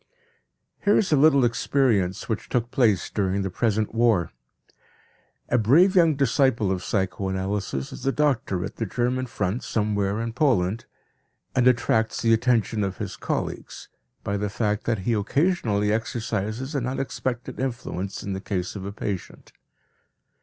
Here is a little experience which took place during the present war: A brave young disciple of psychoanalysis is a doctor at the German front somewhere in Poland, and attracts the attention of his colleagues by the fact that he occasionally exercises an unexpected influence in the case of a patient.